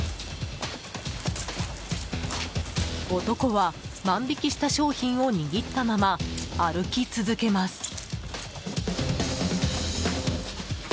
男は万引きした商品を握ったまま、歩き続けます。